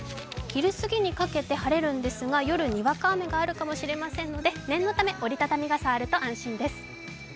昼過ぎにかけて晴れるんですが、夜にわか雨があるかもしれませんので、念のため折り畳み傘があると安心です。